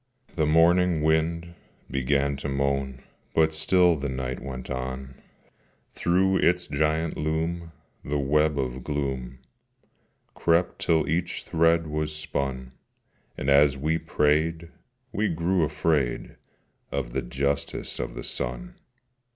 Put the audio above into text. The morning wind began to moan, But still the night went on: Through its giant loom the web of gloom Crept till each thread was spun: And, as we prayed, we grew afraid Of the Justice of the Sun.